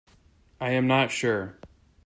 I am not sure.